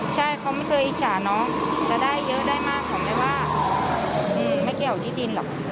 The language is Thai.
ใช่เขาไม่เคยอิจฉาน้องแต่ได้เยอะได้มากผมเลยว่าไม่แก้วที่ดินหรอก